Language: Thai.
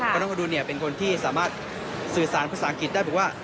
เพราะน้องอดุลเป็นคนที่สามารถสื่อสารภาษาอังกฤษได้บอกว่า